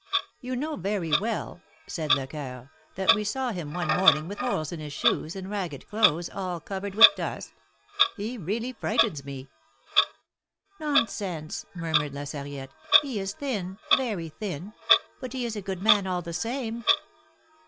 "You know very well," said Lecoeur, "that we saw him one morning with holes in his shoes, and ragged clothes, all covered with dust. He really frightens me." "Nonsense," murmured La Sarriette, "he is thin, very thin ; but he is a good man all the same."